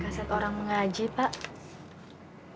biar kaset apikan ngaji pak